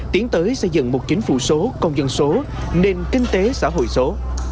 tiến tới xây dựng một chính phủ số công dân số nền kinh tế xã hội số